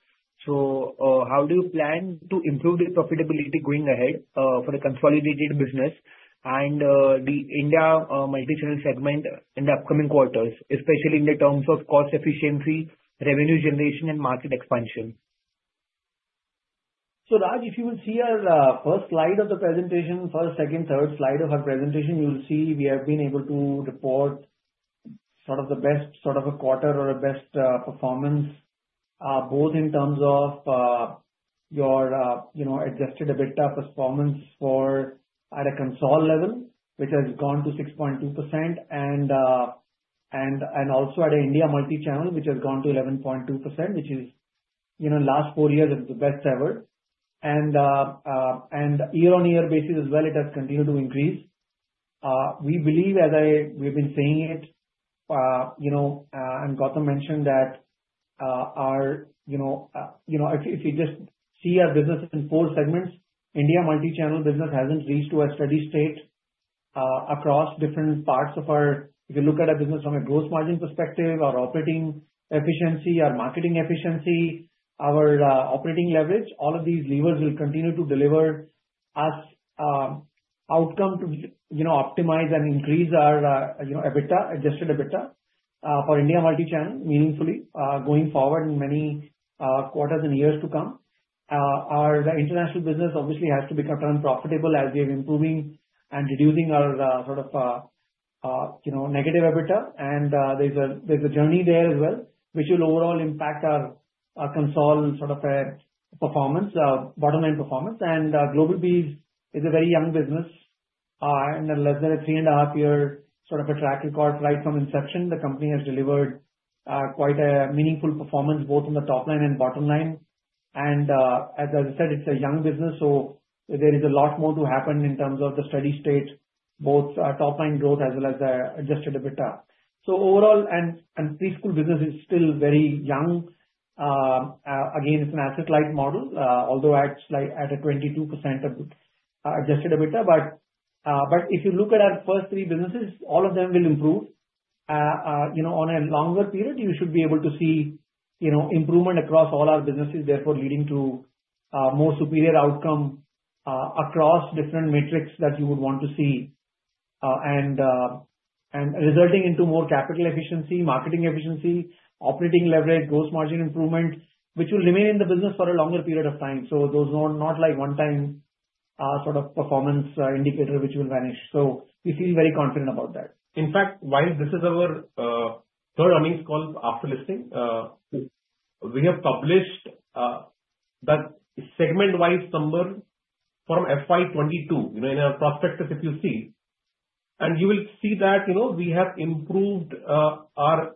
So how do you plan to improve the profitability going ahead for a consolidated business and the India Multichannel segment in the upcoming quarters, especially in the terms of cost efficiency, revenue generation, and market expansion? So, Raj, if you will see our first slide of the presentation, first, second, third slide of our presentation, you'll see we have been able to report sort of the best sort of a quarter or a best performance, both in terms of your adjusted EBITDA performance at a consolidated level, which has gone to 6.2%, and also at an India Multichannel, which has gone to 11.2%, which is in the last four years at the best ever. And year-on-year basis as well, it has continued to increase. We believe, as we've been saying it, and Gautam mentioned that if you just see our business in four segments, India Multichannel business hasn't reached to a steady state across different parts of our. If you look at our business from a gross margin perspective or operating efficiency or marketing efficiency, our operating leverage, all of these levers will continue to deliver us outcome to optimize and increase our adjusted EBITDA for India Multichannel meaningfully going forward in many quarters and years to come. Our international business obviously has to become profitable as we are improving and reducing our sort of negative EBITDA. And there's a journey there as well, which will overall impact our consolidated sort of performance, bottom-line performance. And GlobalBees is a very young business. In less than a three-and-a-half-year sort of a track record right from inception, the company has delivered quite a meaningful performance both on the top line and bottom line, and as I said, it's a young business, so there is a lot more to happen in terms of the steady state, both top-line growth as well as the adjusted EBITDA, so overall and preschool business is still very young, again, it's an asset-light model, although at a 22% adjusted EBITDA, but if you look at our first three businesses, all of them will improve. On a longer period, you should be able to see improvement across all our businesses, therefore leading to more superior outcome across different metrics that you would want to see and resulting in more capital efficiency, marketing efficiency, operating leverage, gross margin improvement, which will remain in the business for a longer period of time. So those are not like one-time sort of performance indicator which will vanish. So we feel very confident about that. In fact, while this is our third earnings call after listing, we have published the segment-wise number from FY2022 in our prospectus, if you see, and you will see that we have improved our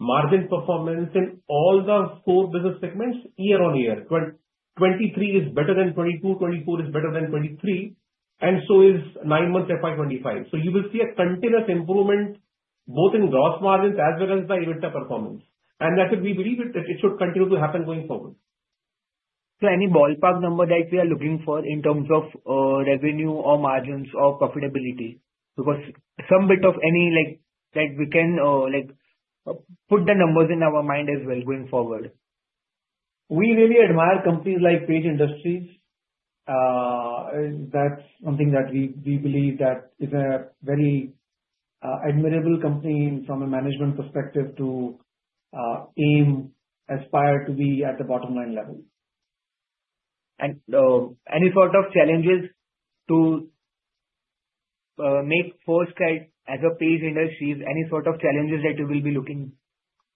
margin performance in all the four business segments year-on-year. 2023 is better than 2022, 2024 is better than 2023, and so is nine-month FY2025. So you will see a continuous improvement both in gross margins as well as the EBITDA performance, and that's what we believe it should continue to happen going forward. So any ballpark number that we are looking for in terms of revenue or margins or profitability? Because some bit of any that we can put the numbers in our mind as well going forward. We really admire companies like Page Industries. That's something that we believe that is a very admirable company from a management perspective to aim, aspire to be at the bottom-line level. And any sort of challenges for FirstCry as a player in the industry? Any sort of challenges that you will be looking?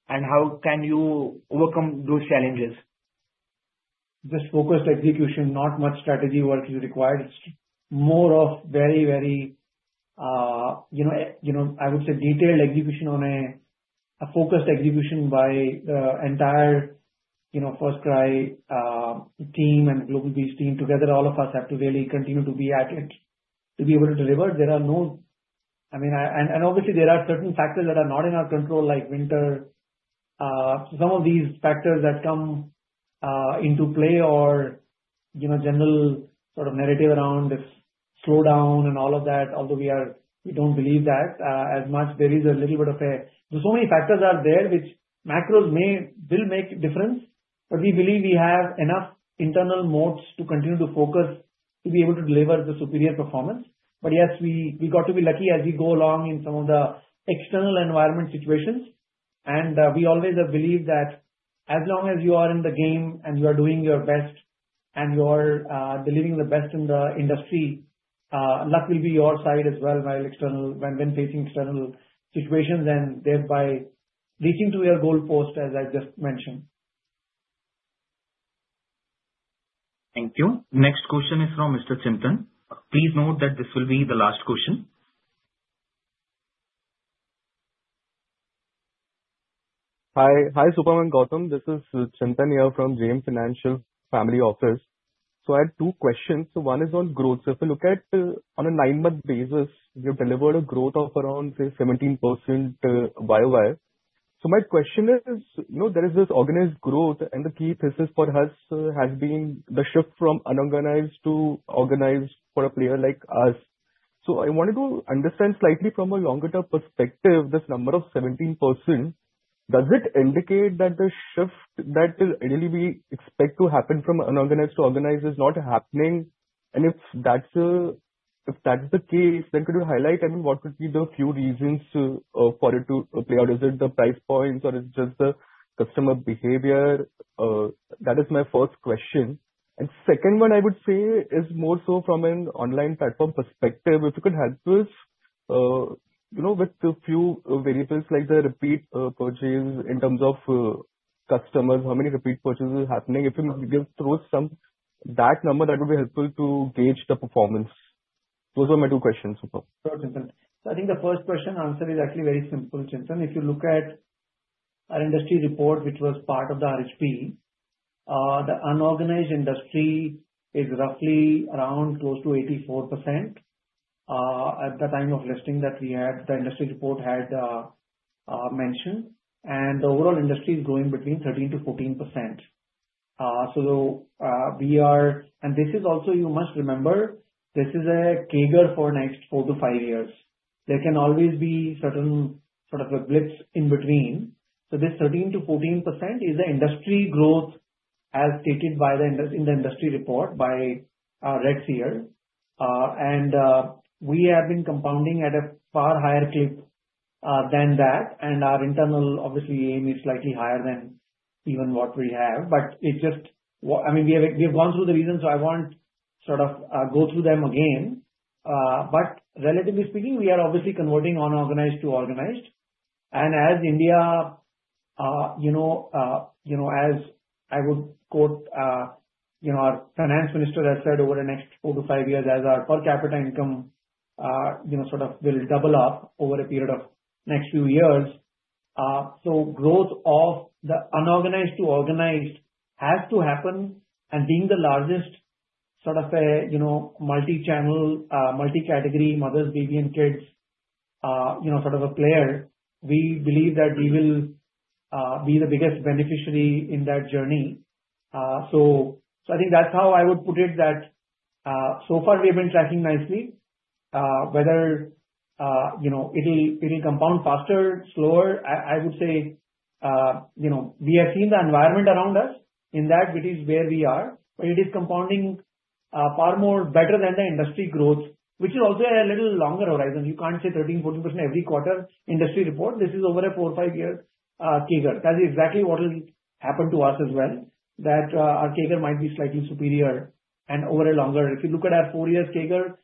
And how can you overcome those challenges? Just focused execution, not much strategy work is required. It's more of very, very, I would say, detailed execution on a focused execution by the entire FirstCry team and GlobalBees team together. All of us have to really continue to be at it to be able to deliver. There are no. I mean, and obviously, there are certain factors that are not in our control like winter. Some of these factors that come into play or general sort of narrative around this slowdown and all of that, although we don't believe that as much, there is a little bit of a so many factors are there which macros will make a difference. But we believe we have enough internal moats to continue to focus to be able to deliver the superior performance. But yes, we got to be lucky as we go along in some of the external environment situations. And we always have believed that as long as you are in the game and you are doing your best and you are delivering the best in the industry, luck will be your side as well when facing external situations and thereby reaching to your goal post, as I've just mentioned. Thank you. Next question is from Mr. Chintan. Please note that this will be the last question. Hi, Supam and Gautam. This is Chintan here from JM Financial Family Office. So I had two questions. So one is on growth. So if you look at on a nine-month basis, you've delivered a growth of around, say, 17% YoY. So my question is, there is this organized growth, and the key thesis for us has been the shift from unorganized to organized for a player like us. So I wanted to understand slightly from a longer-term perspective, this number of 17%, does it indicate that the shift that really we expect to happen from unorganized to organized is not happening? And if that's the case, then could you highlight, I mean, what would be the few reasons for it to play out? Is it the price points, or is it just the customer behavior? That is my first question. And second one, I would say, is more so from an online platform perspective. If you could help us with a few variables like the repeat purchase in terms of customers, how many repeat purchases are happening? If you can throw that number, that would be helpful to gauge the performance. Those are my two questions. Sure, Chintan, so I think the first question answer is actually very simple, Chintan. If you look at our industry report, which was part of the RHP, the unorganized industry is roughly around close to 84% at the time of listing that we had, the industry report had mentioned, and the overall industry is growing between 13%-14%. So we are, and this is also you must remember, this is a CAGR for next four to five years. There can always be certain sort of the blips in between, so this 13%-14% is the industry growth as stated in the industry report by Redseer, and we have been compounding at a far higher clip than that, and our internal, obviously, aim is slightly higher than even what we have. But it's just, I mean, we have gone through the reasons, so I won't sort of go through them again. But relatively speaking, we are obviously converting unorganized to organized. And as India, as I would quote our Finance Minister has said, over the next four-to-five years, as our per capita income sort of will double up over a period of next few years. So growth of the unorganized to organized has to happen. And being the largest sort of a multichannel, multi-category mothers, baby, and kids sort of a player, we believe that we will be the biggest beneficiary in that journey. So I think that's how I would put it that so far, we have been tracking nicely. Whether it'll compound faster, slower, I would say we have seen the environment around us in that which is where we are. But it is compounding far more better than the industry growth, which is also a little longer horizon. You can't say 13%, 14% every quarter industry report. This is over a four or five-year CAGR. That is exactly what will happen to us as well, that our CAGR might be slightly superior and over a longer. If you look at our four-year CAGR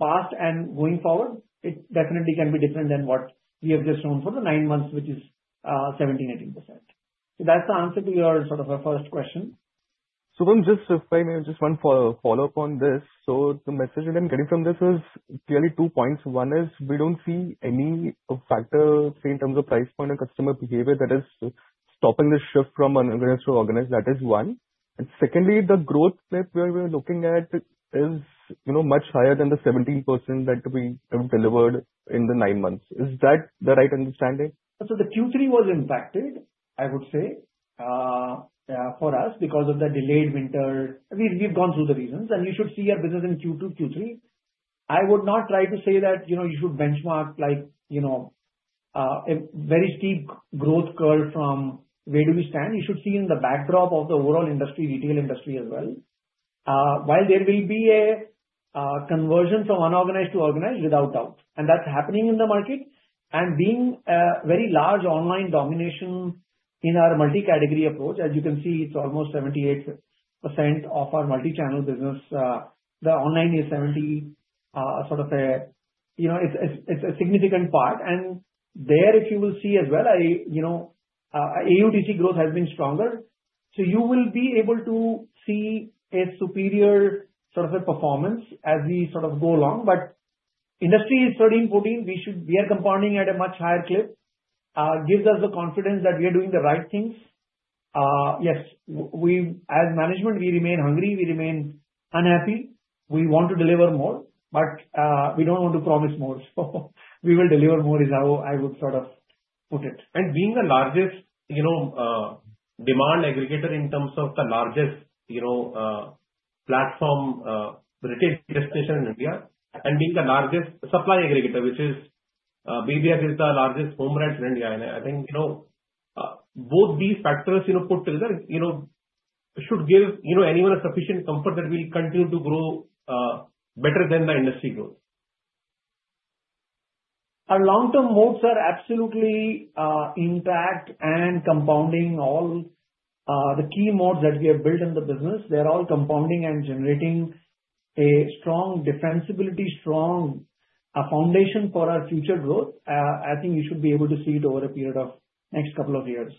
past and going forward, it definitely can be different than what we have just shown for the nine months, which is 17%, 18%. So that's the answer to your sort of first question. Supam, just if I may have just one follow-up on this. So the message that I'm getting from this is clearly two points. One is we don't see any factor, say, in terms of price point or customer behavior that is stopping the shift from unorganized to organized. That is one. And secondly, the growth clip where we're looking at is much higher than the 17% that we have delivered in the nine months. Is that the right understanding? So the Q3 was impacted, I would say, for us because of the delayed winter. We've gone through the reasons. And you should see your business in Q2, Q3. I would not try to say that you should benchmark a very steep growth curve from where do we stand. You should see in the backdrop of the overall industry, retail industry as well. While there will be a conversion from unorganized to organized without doubt. And that's happening in the market. And being a very large online domination in our multi-category approach, as you can see, it's almost 78% of our multichannel business. The online is 70% sort of a, it's a significant part. And there, if you will see as well, AUTC growth has been stronger. So you will be able to see a superior sort of a performance as we sort of go along. But industry is 13%-14%. We are compounding at a much higher clip. Gives us the confidence that we are doing the right things. Yes, as management, we remain hungry. We remain unhappy. We want to deliver more. But we don't want to promise more. So we will deliver more is how I would sort of put it. And being the largest demand aggregator in terms of the largest platform retail destination in India, and being the largest supply aggregator, which is, BrainBees, is the largest home brand in India. And I think both these factors put together should give anyone a sufficient comfort that we'll continue to grow better than the industry growth. Our long-term moats are absolutely intact and compounding all the key moats that we have built in the business. They're all compounding and generating a strong defensibility, strong foundation for our future growth. I think you should be able to see it over a period of next couple of years.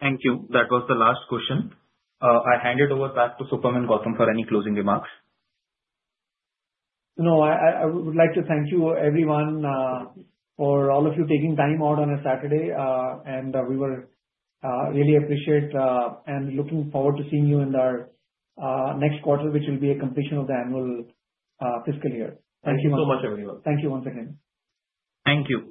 Thank you. That was the last question. I hand it over back to Supam and Gautam for any closing remarks. No, I would like to thank you, everyone, for all of you taking time out on a Saturday, and we really appreciate and looking forward to seeing you in our next quarter, which will be a completion of the annual fiscal year. Thank you very much. Thank you so much, everyone. Thank you once again. Thank you.